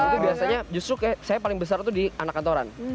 itu biasanya justru saya paling besar itu di anak kantoran